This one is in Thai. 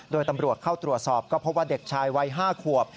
โดยตำรวจเข้าตรวจสอบก็พบว่าเด็กชายวัย๕ขวบ